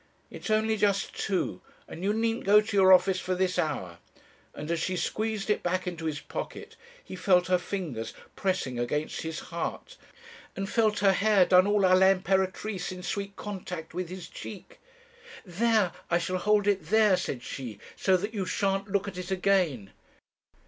It's only just two, and you needn't go to your office for this hour;' and as she squeezed it back into his pocket, he felt her fingers pressing against his heart, and felt her hair done all à l'impératrice in sweet contact with his cheek. 'There, I shall hold it there,' said she, 'so that you shan't look at it again.'